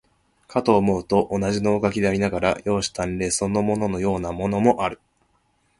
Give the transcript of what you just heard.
かと思うと、同じ能書でありながら、容姿端麗そのもののようなものもある。